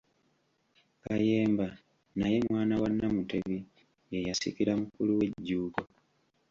KAYEMBA naye mwana wa Nnamutebi, ye yasikira mukulu we Jjuuko.